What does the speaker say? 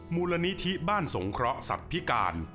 มูลนิธิบ้านสงเคราะห์สัตว์พิการ